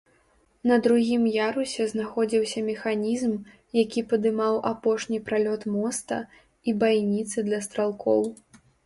На другім ярусе знаходзіўся механізм, які падымаў апошні пралёт моста, і байніцы для стралкоў.